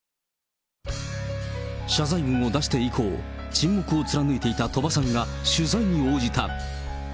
謝罪文を出して以降、沈黙を貫いていた鳥羽さんが取材に応じた。